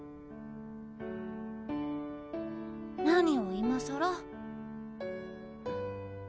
何を今さら。